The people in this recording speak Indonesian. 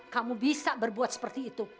kamu bisa berbuat seperti itu